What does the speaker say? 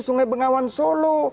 sungai bengawan solo